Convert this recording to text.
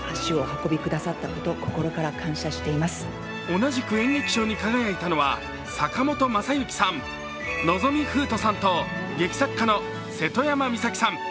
同じく演劇賞に輝いたのは坂本昌行さん、望海風斗さんと劇作家の瀬戸山美咲さん。